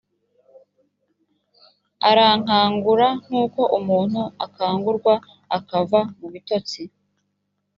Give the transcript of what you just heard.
arankangura nk’uko umuntu akangurwa akava mu bitotsi